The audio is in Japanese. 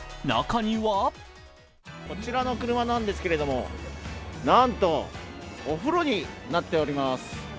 中にはこちらの車なんですけれども、なんとお風呂になっております。